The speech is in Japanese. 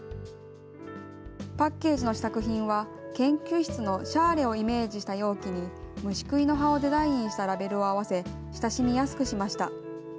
パッケージの試作品は、研究室のシャーレをイメージした容器に、虫食いの葉をデザインしたラベルを合わせ、親しみやすくしました。